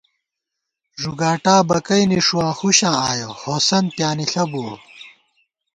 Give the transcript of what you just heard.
ݫُگاٹا بَکَئی نِݭُواں ہُشاں آیَہ، ہوسند پیانِݪہ بُوَہ